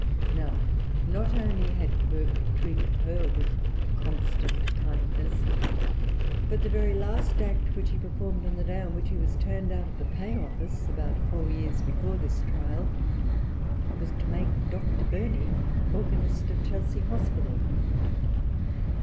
Now, not only had Burke treated her with constant kindness, but the very last act which he performed on the day on which he was turned out of the Pay Office, about four years before this trial, was to make Dr. Burney organist of Chelsea Hospital.